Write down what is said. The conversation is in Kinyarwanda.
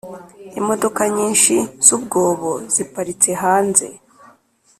imodoka nyinshi zubwobo ziparitse hanze